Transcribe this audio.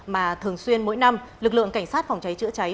mà thường xuyên mỗi năm lực lượng cảnh sát phòng cháy chữa cháy